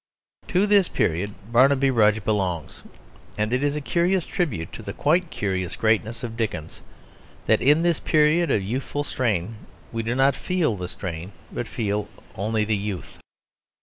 To this period Barnaby Rudge belongs. And it is a curious tribute to the quite curious greatness of Dickens that in this period of youthful strain we do not feel the strain but feel only the youth.